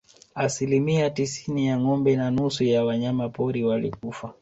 Asilimia tisini ya ngombe na nusu ya wanyama pori walikufa